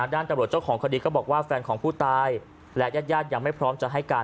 ด้านตำรวจเจ้าของคดีก็บอกว่าแฟนของผู้ตายและญาติญาติยังไม่พร้อมจะให้การ